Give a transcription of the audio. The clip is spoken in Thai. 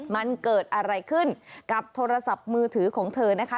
มันเกิดอะไรขึ้นกับโทรศัพท์มือถือของเธอนะคะ